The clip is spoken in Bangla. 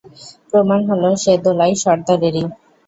প্রমাণ হল সে দোলাই সর্দারেরই।